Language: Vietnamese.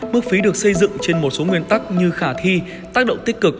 mức phí được xây dựng trên một số nguyên tắc như khả thi tác động tích cực